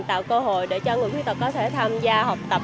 tạo cơ hội để cho người khuyết tật có thể tham gia học tập